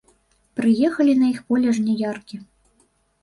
Прыехалі на іх поле жняяркі.